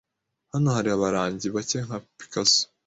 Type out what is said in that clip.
Hano hari abarangi bake nka Picasso.